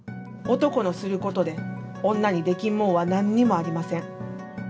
男のすることで、女にできんもんは何にもありません。